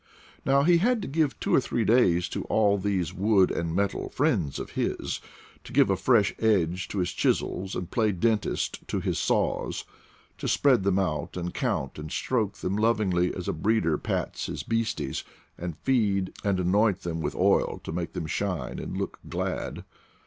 Now he had to give two or three days to all these wood and metal friends of his, to give a fresh edge to his chisels, and play the dentist to his saws; to spread them all ont and count and stroke them lovingly, as a breeder pats his beasties, and feed and anoint them with oil to make them shine and look glad.